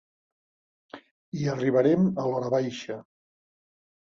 Hi arribarem a l'horabaixa.